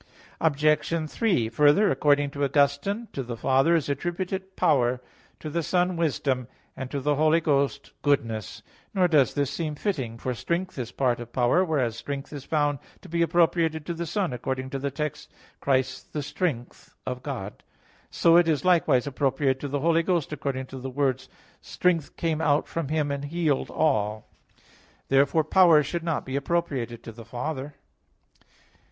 Obj. 3: Further, according to Augustine, to the Father is attributed "power," to the Son "wisdom," to the Holy Ghost "goodness." Nor does this seem fitting; for "strength" is part of power, whereas strength is found to be appropriated to the Son, according to the text, "Christ the strength [*Douay: power] of God" (1 Cor. 1:24). So it is likewise appropriated to the Holy Ghost, according to the words, "strength [*Douay: virtue] came out from Him and healed all" (Luke 6:19). Therefore power should not be appropriated to the Father.